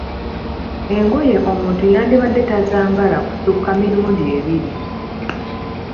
Engoye omuntu yandibadde tazambala kusukka mirundi ebiri.